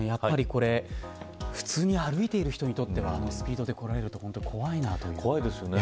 普通に歩いている人にとってはこのスピードで来られると怖いですよね。